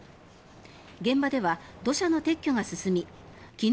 現場では土砂の撤去が進み昨日